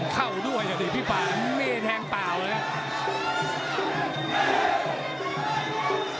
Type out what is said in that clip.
เข้าด้วยแต่พี่ป่าไม่ได้แทงเปล่าเลยครับ